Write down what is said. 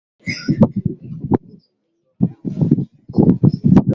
Anacheza na simu yangu